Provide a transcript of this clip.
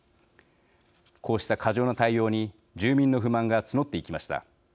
こうした過剰な対応に住民の不満が募っていきました。